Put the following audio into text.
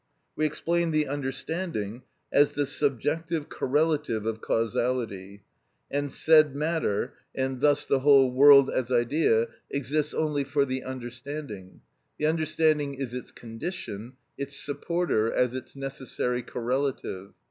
We explained the understanding as the subjective correlative of causality, and said matter (and thus the whole world as idea) exists only for the understanding; the understanding is its condition, its supporter as its necessary correlative.